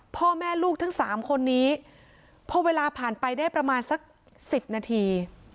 พ่อแม่ลูกทั้ง๓คนนี้พอเวลาผ่านไปได้ประมาณสัก๑๐นาที